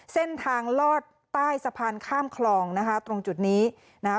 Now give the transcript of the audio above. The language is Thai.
เส้นทางลอดใต้สะพานข้ามคลองนะคะตรงจุดนี้นะคะ